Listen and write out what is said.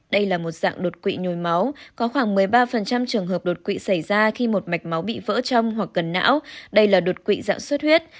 đây là một dạng đột quỵ nhồi máu có khoảng một mươi ba trường hợp đột quỵ xảy ra khi một mạch máu bị vỡ trong hoặc cần não đây là đột quỵ dạng suốt huyết